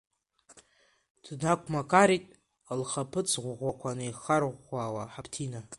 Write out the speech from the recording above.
Днақәмақарит, лхаԥыц ӷаӷақәа неихарыӷәӷәауа, Хаԥҭина.